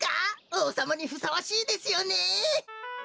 おうさまにふさわしいですよね。